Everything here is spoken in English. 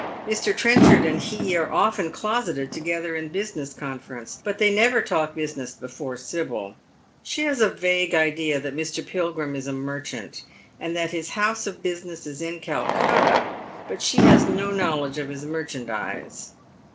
Mr. Trenchard and he are often closeted together in business conference, but they never talk business before Sibyl, She has a vague idea that Mr. Pilgrim is a mer chant, and that his house of business is in Calcutta, but she has no knowledge of his merchandise.